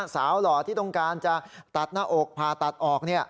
หล่อที่ต้องการจะตัดหน้าอกผ่าตัดออก